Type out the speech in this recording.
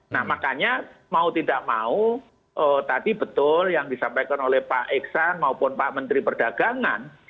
nah makanya mau tidak mau tadi betul yang disampaikan oleh pak iksan maupun pak menteri perdagangan